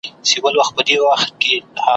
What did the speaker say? په سپینه ورځ درته راځم د دیدن غل نه یمه `